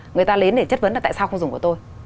người ta đến để chất vấn là tại sao không dùng của tôi